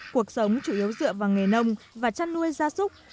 cuộc sống chủ yếu dựa vào nghề nông và trăn nuôi da súc